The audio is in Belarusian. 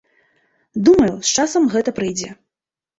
Думаю, з часам гэта прыйдзе.